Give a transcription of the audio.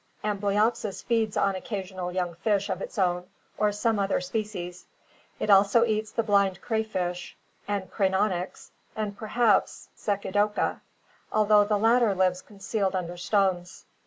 Amblyopsis feeds on occasional young fish of its own or some other species; it also eats the blind crayfish and Crangonyx and perhaps Ccecidoka, though the latter lives concealed under stones.